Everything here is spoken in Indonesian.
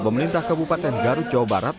pemerintah kabupaten garut jawa barat